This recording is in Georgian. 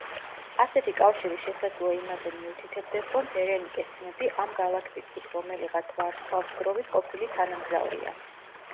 ასეთი კავშირი შესაძლოა იმაზე მიუთითებდეს, რომ ბერენიკეს თმები ამ გალაქტიკის რომელიღაც ვარსკვლავთგროვის ყოფილი თანამგზავრია.